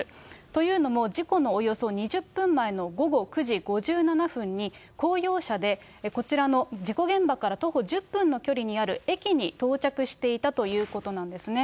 というのも、事故のおよそ２０分前の午後９時５７分に、公用車でこちらの事故現場から徒歩１０分の距離にある駅に到着していたということなんですね。